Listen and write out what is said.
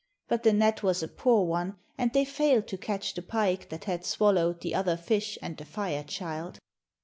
But the net was a poor one, and they failed to catch the pike that had swallowed the other fish and the Fire child.